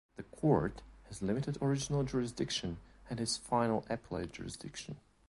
The court has limited original jurisdiction and has final appellate jurisdiction.